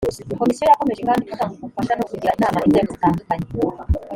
komisiyo yakomeje kandi gutanga ubufasha no kugira inama inzego zitandukanye